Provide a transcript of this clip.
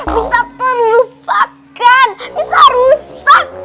bisa terlupakan bisa rusak